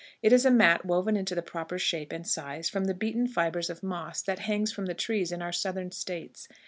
It is a mat woven into the proper shape and size from the beaten fibres of moss that hangs from the trees in our Southern States.